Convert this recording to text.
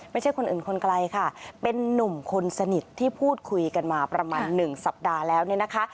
ไม่ใช่คนอื่นคนไกลค่ะเป็นนุ่มคนสนิทที่พูดคุยกันมาประมาณ๑สัปดาห์แล้วเนี่ยนะคะ